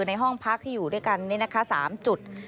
ในห้องพักที่อยู่ด้วยกัน๓จุด